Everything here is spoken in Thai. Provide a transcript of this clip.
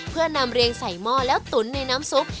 เพื่อนำเรียงใส่หม้อแล้วตุ๋นในน้ำซุป